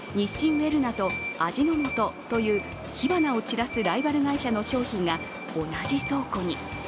ウェルナと味の素という火花を散らすライバル会社の商品が同じ倉庫に。